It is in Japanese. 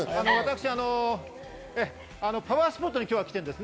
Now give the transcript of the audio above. パワースポットに来ています。